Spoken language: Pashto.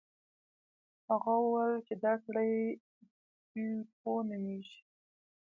هغه وویل چې دا سړی بیپو نومیږي.